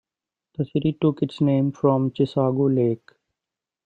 The city took its name from Chisago Lake.